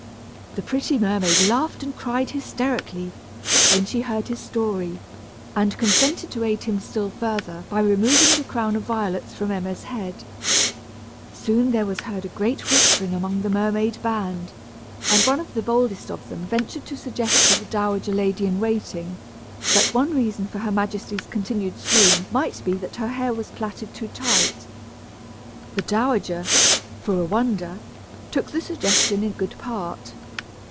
The pretty mermaid laughed and cried hysterically, when she heard his story, and consented to aid him still further by removing the crown of violets from Emma's head. Soon there was heard a great whispering among the mermaid band, and one of the boldest of them ventured to suggest to the dowager lady in waiting, that one reason for her majesty's continued swoon might be that her hair was plaited too tight. The dowager, for a wonder, took the suggestion in good part.